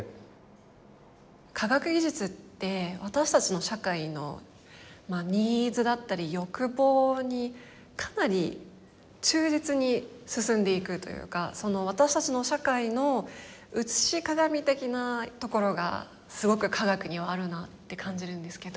科学技術って私たちの社会のニーズだったり欲望にかなり忠実に進んでいくというかその私たちの社会の映し鏡的なところがすごく科学にはあるなって感じるんですけど。